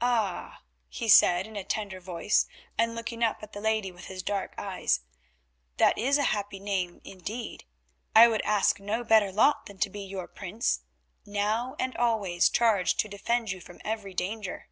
"Ah!" he said in a tender voice, and looking up at the lady with his dark eyes, "that is a happy name indeed. I would ask no better lot than to be your Prince, now and always charged to defend you from every danger."